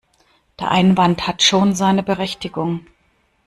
Der Einwand hat schon seine Berechtigung.